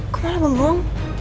kok malah belum